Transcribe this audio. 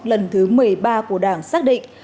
lần thứ một mươi ba của đảng xác định